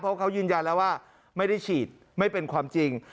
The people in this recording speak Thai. เพราะเขายืนยันแล้วว่าไม่ได้ฉีดไม่เป็นความจริง